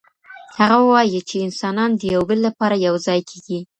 هغه وايي چي انسانان د يو بل لپاره يو ځای کيږي.